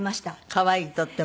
可愛いとっても。